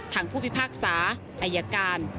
ผู้พิพากษาอายการ